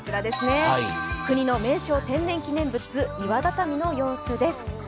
国の名勝、天然記念物・岩畳の様子です。